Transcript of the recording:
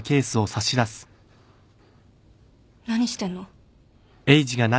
何してんの？